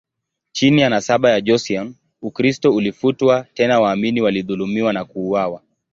Chini ya nasaba ya Joseon, Ukristo ulifutwa, tena waamini walidhulumiwa na kuuawa.